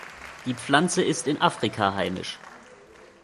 Die Pflanze ist in Afrika heimisch.